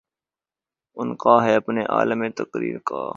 عنقا ہے اپنے عالَمِ تقریر کا